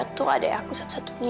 karena tuh adek aku satu satunya